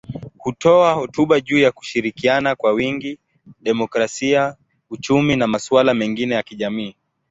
Hutoa hotuba juu ya kushirikiana kwa wingi, demokrasia, uchumi na masuala mengine ya kijamii.